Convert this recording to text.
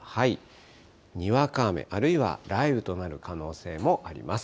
にわか雨、あるいは雷雨となる可能性もあります。